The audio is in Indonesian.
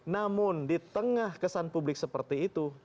namun di tengah kesan publik seperti itu